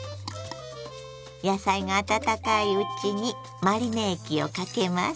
野菜が温かいうちにマリネ液をかけます。